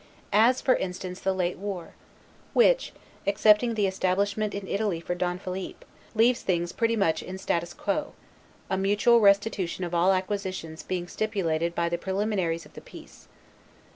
As, for instance, the late war; which, excepting the establishment in Italy for Don Philip, leave things pretty much in state quo; a mutual restitution of all acquisitions being stipulated by the preliminaries of the peace.